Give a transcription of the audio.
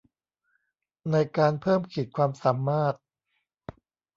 ในการเพิ่มขีดความสามารถ